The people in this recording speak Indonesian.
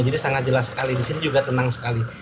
jadi sangat jelas sekali disini juga tenang sekali